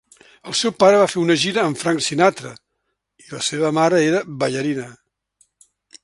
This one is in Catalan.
El seu pare va fer una gira amb Frank Sinatra i la seva mare era ballarina.